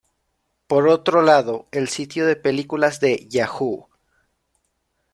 Por otro lado, el sitio de películas de Yahoo!